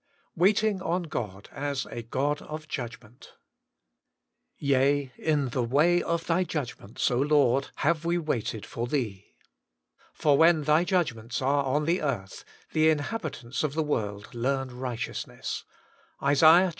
WAITLtTG ON GOD: as a (5oD of JuDgment * Yea, in tlie way of Thy judgments, Lord, have we waited for Thee :... for when Thy judgments are on the earth, the inhabitants of the world learn righteousness.' — IsA.